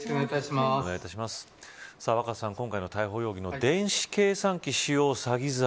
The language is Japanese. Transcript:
若狭さん、今回の逮捕容疑の電子計算機使用詐欺罪